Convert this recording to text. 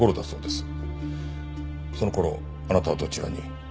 その頃あなたはどちらに？